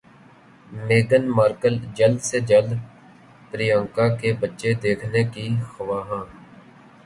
میگھن Markle جلد سے جلد پریانکا کے بچے دیکھنے کی خواہاں